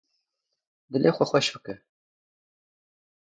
Dilê xwe xweş bike.